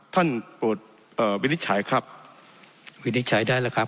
โปรดเอ่อวินิจฉัยครับวินิจฉัยได้แล้วครับ